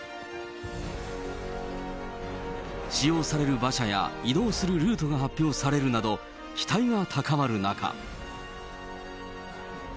使用される馬車や移動するルートが発表されるなど、期待が高まる中。